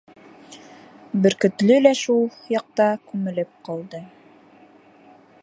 Бөркөтлө лә шул яҡта күмелеп ҡалды.